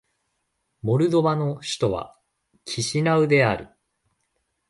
モルドバの首都はキシナウである